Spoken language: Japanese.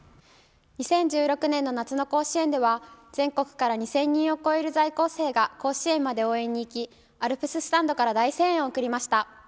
２０１６年の夏の甲子園では全国から２０００人を超える在校生が甲子園まで応援に行きアルプススタンドから大声援を送りました。